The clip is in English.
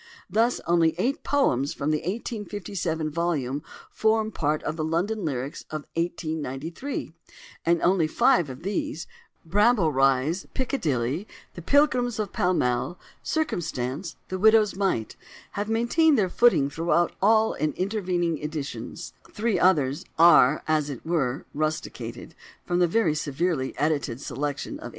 Thus only eight poems from the 1857 volume form part of the "London Lyrics" of 1893, and only five of these—"Bramble Rise," "Piccadilly," "The Pilgrims of Pall Mall," "Circumstance," "The Widow's Mite"—have maintained their footing throughout in all intervening editions: the three others are, as it were, "rusticated" from the very severely edited selection of 1881.